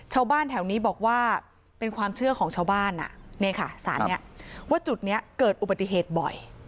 ชาวบ้านแถวนี้บอกว่าเป็นความเชื่อของชาวบ้านอ่ะนี่ค่ะสารนี้ว่าจุดนี้เกิดอุบัติเหตุบ่อย